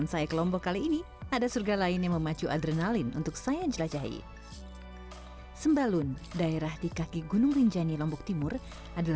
sampai jumpa di video selanjutnya